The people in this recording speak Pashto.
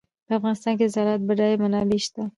په افغانستان کې د زراعت بډایه منابع شته.